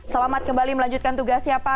selamat kembali melanjutkan tugasnya pak